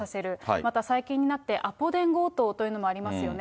また最近になって、アポ電強盗というのもありますよね。